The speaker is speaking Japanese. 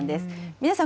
皆さん